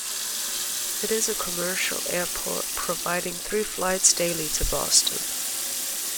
It is a commercial airport providing three flights daily to Boston.